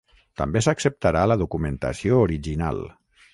També s'acceptarà la documentació original.